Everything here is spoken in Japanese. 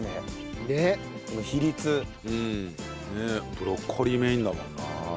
ブロッコリーメインだもんな。